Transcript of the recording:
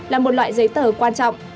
là một loại giấy tờ quan trọng